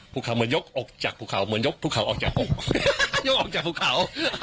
ผู้เขามันยกอกจากผู้เขามันยกผู้เขาออกจากผู้เขา